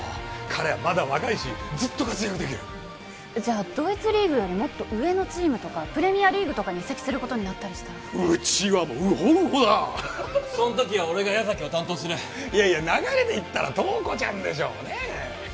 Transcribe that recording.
彼はまだ若いしずっと活躍できるじゃあドイツリーグよりもっと上のチームとかプレミアリーグとかに移籍することになったりしたらうちはもうウホウホだそん時は俺が矢崎を担当するいやいや流れでいったら塔子ちゃんでしょねえ